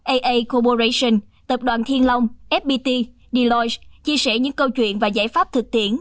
aa corporation tập đoàn thiên long fpt deloitte chia sẻ những câu chuyện và giải pháp thực tiễn